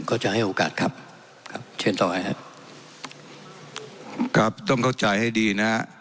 ก็จะให้โอกาสครับครับเชิญต่อให้ครับครับต้องเข้าใจให้ดีนะฮะ